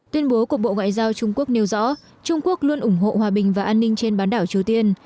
tuyên bố của bộ ngoại giao trung quốc nêu rõ trung quốc luôn ủng hộ hòa bình và an ninh trên bán đảo triều tiên